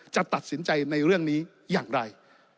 จะตัดสินใจในเรื่องนี้อย่างไร